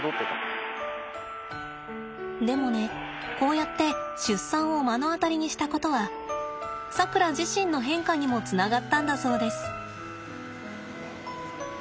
でもねこうやって出産を目の当たりにしたことはさくら自身の変化にもつながったんだそうです。